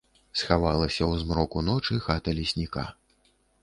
Схавалася ў змроку ночы хата лесніка.